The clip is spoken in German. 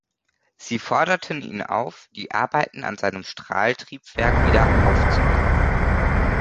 Sie forderten ihn auf, die Arbeiten an seinem Strahltriebwerk wieder aufzunehmen.